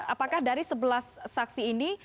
apakah dari sebelas saksi ini